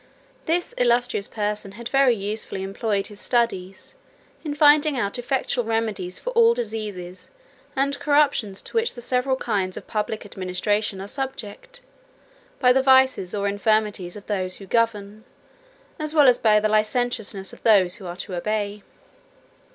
This illustrious person had very usefully employed his studies, in finding out effectual remedies for all diseases and corruptions to which the several kinds of public administration are subject, by the vices or infirmities of those who govern, as well as by the licentiousness of those who are to obey.